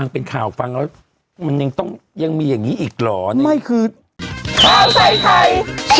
เป็นข่าวฟังแล้วมันยังต้องยังมีอย่างนี้อีกเหรอ